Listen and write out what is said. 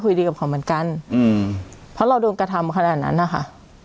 ดีกับเขาเหมือนกันอืมเพราะเราโดนกระทำขนาดนั้นนะคะ